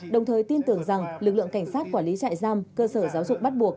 đồng thời tin tưởng rằng lực lượng cảnh sát quản lý trại giam cơ sở giáo dục bắt buộc